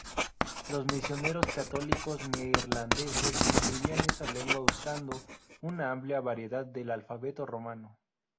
Los misioneros católicos neerlandeses escribían esa lengua usando una amplia variedad del alfabeto romano.